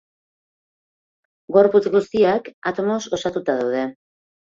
Gorputz guztiak atomoz osatuta daude.